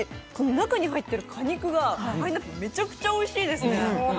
中に入ってる果肉がめちゃくちゃおいしいですね。